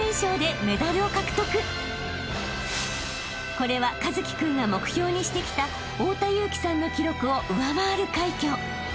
［これは一輝君が目標にしてきた太田雄貴さんの記録を上回る快挙］